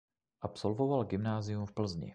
Absolvoval gymnázium v Plzni.